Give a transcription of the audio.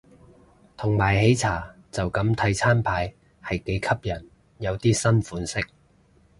同埋喜茶就咁睇餐牌係幾吸引，有啲新款式